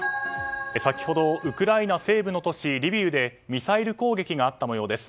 先ほどウクライナ西部の都市リビウでミサイル攻撃があった模様です。